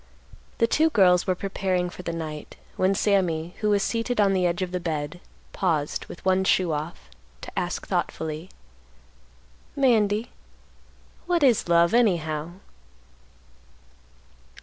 The two girls were preparing for the night, when Sammy, who was seated on the edge of the bed, paused, with one shoe off, to ask thoughtfully, "Mandy, what is love, anyhow?"